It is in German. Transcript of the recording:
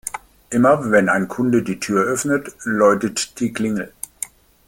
Immer, wenn ein Kunde die Tür öffnet, läutet die Klingel.